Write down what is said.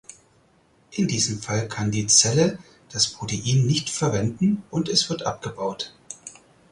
In diesem Fall kann die Zelle das Protein nicht verwenden und es wird abgebaut.